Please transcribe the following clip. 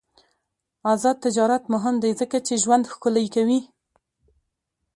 آزاد تجارت مهم دی ځکه چې ژوند ښکلی کوي.